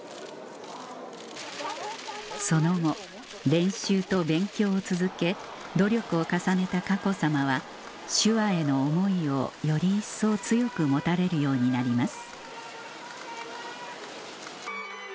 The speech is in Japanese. その後練習と勉強を続け努力を重ねた佳子さまは手話への思いをより一層強く持たれるようになります